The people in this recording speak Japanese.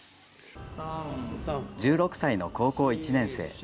１６歳の高校１年生。